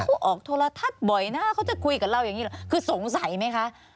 เขาออกโทรทัศน์บ่อยนะเขาจะคุยกับเราอย่างนี้หรอคือสงสัยไหมคะ